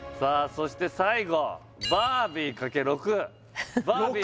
そして最後バービー×６６？